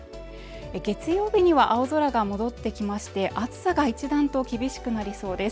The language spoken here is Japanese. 月曜日には青空が戻ってきまして、暑さが一段と厳しくなりそうです。